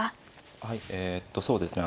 はいえっとそうですね